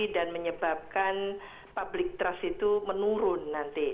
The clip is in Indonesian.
dan menyebabkan public trust itu menurun nanti